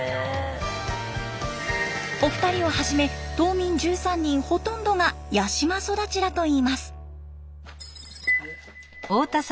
お二人をはじめ島民１３人ほとんどが八島育ちだといいます。